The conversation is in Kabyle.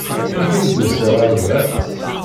Amek ay d-usiɣ ɣer da?